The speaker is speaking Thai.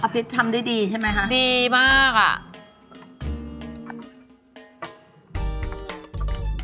พิษทำได้ดีใช่ไหมคะดีมากอ่ะ